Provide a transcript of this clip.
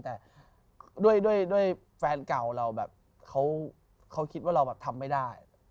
แต่ด้วยแฟนเก่าเราแบบเขาคิดว่าเราแบบทำไม่ได้